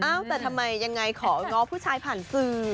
แต่ทำไมยังไงของง้อผู้ชายผ่านสื่อ